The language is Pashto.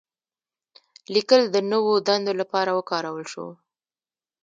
لیکل د نوو دندو لپاره وکارول شول.